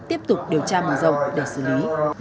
tiếp tục điều tra mở rộng để xử lý